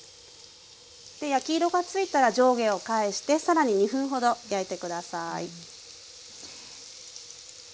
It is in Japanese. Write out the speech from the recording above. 焼き色が付いたら上下を返してさらに２分ほど焼いて下さい。